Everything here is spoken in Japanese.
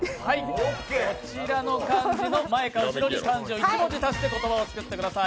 こちらの漢字の前か後ろに１文字足して言葉を作ってください。